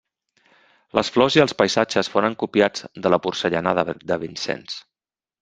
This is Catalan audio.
Les flors i els paisatges foren copiats de la porcellana de Vincennes.